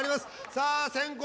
さあ先攻